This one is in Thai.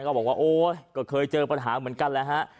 ก็บอกว่าโอ๊ยก็เคยเจอปัญหาเหมือนกันแหละฮะ